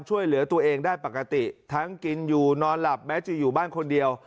ช่วยเหลือตัวเองได้ปกติทั้งกินอยู่นอนหลับแม้จะอยู่บ้านคนเดียว